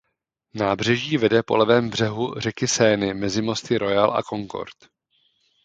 Nábřeží vede po levém břehu řeky Seiny mezi mosty Royal a Concorde.